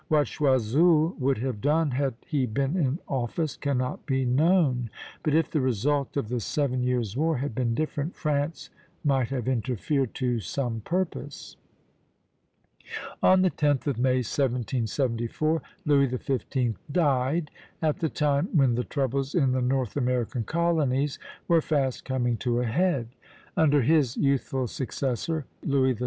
What Choiseul would have done had he been in office, cannot be known; but if the result of the Seven Years' War had been different, France might have interfered to some purpose. On the 10th of May, 1774, Louis XV. died, at the time when the troubles in the North American colonies were fast coming to a head. Under his youthful successor, Louis XVI.